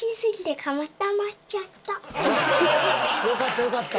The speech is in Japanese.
よかったよかった。